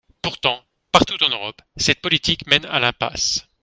Pourtant, partout en Europe, cette politique mène à l’impasse.